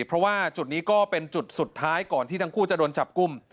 เพราะว่าจุดนี้ก็เป็นจุดสุดท้ายก่อนที่ทั้งคู่จะโดนจับกลุ่ม